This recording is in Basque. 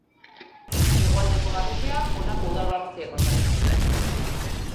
Hegoaldeko barrutia honako udal barrutiek osatzen dute.